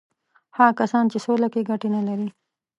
هغه کسان په سوله کې ګټې نه لري.